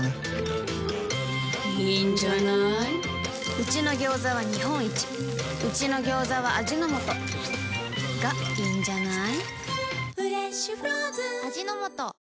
うちのギョーザは日本一うちのギョーザは味の素がいいんじゃない？